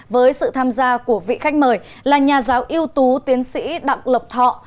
với sự tham gia của vị khách mời là nhà giáo yêu tú tiến sĩ đặng lộc thọ